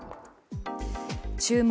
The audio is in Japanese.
「注目！